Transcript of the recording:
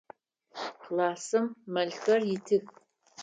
Классым мэлхэр итых.